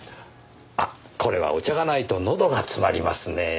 あっこれはお茶がないとのどが詰まりますねぇ。